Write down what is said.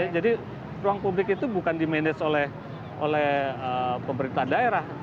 jadi ruang publik itu bukan dimanage oleh pemerintah daerah